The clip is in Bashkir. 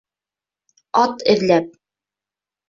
— Ат эҙләп.